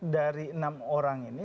dari enam orang ini